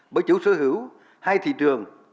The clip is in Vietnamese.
bởi chủ sở hữu hay thị trường